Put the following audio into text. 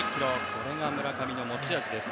これが村上の持ち味です。